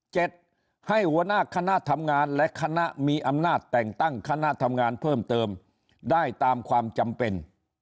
ให้หัวหน้าคณะทำงานและคณะมีอำนาจแต่งตั้งคณะทำงานเพิ่มเติมได้ตามความจำเป็น